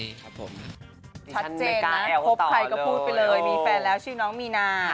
ชัดเจนนะคบใครก็พูดไปเลยมีแฟนแล้วชื่อน้องมีนา